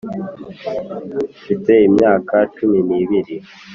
mfite imyaka cumi n'ibiri